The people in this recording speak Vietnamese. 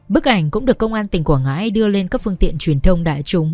bức ảnh cũng được công an tỉnh quảng ngãi đưa lên các phương tiện truyền thông đại chúng